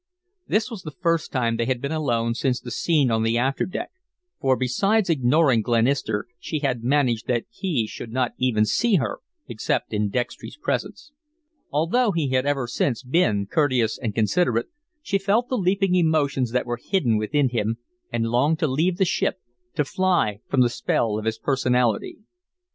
This was the first time they had been alone since the scene on the after deck, for, besides ignoring Glenister, she had managed that he should not even see her except in Dextry's presence. Although he had ever since been courteous and considerate, she felt the leaping emotions that were hidden within him and longed to leave the ship, to fly from the spell of his personality.